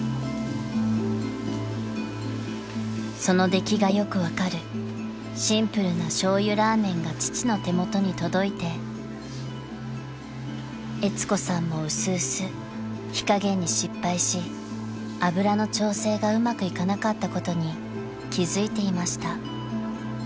［その出来がよく分かるシンプルなしょうゆラーメンが父の手元に届いてえつ子さんもうすうす火加減に失敗し脂の調整がうまくいかなかったことに気付いていました］